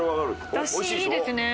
出汁いいですね。